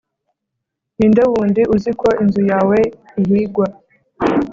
Ninde wundi uzi ko inzu yawe ihigwa